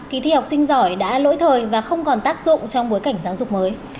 kỳ thi học sinh giỏi đã lỗi thời và không còn tác dụng trong bối cảnh giáo dục mới